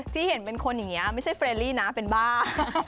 ที่เห็นเป็นคนอย่างนี้ไม่ใช่เฟรลี่นะเป็นบ้า